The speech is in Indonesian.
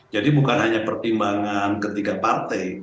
jadi bukan hanya pertimbangan ketiga partai